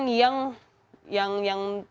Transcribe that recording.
berkaitan dengan orang orang